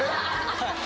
はい。